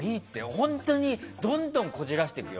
本当にどんどんこじらせてくよ。